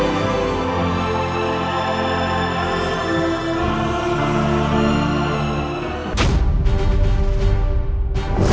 sp kepala kondisi